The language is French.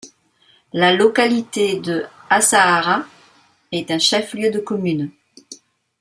La localité de Assahara est un chef-lieu de commune.